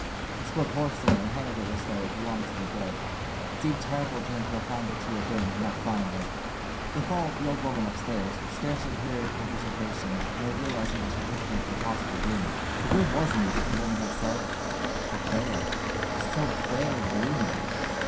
He spoke hoarsely and handled it as though it belonged to the dead. It seemed terrible to him to have found where she had been, and not find her. They followed the old woman upstairs, scarcely hearing her dissertation, nor realizing that she took them for possible roomers. The room was neat, as the woman had said, but bare—so bare and gloomy!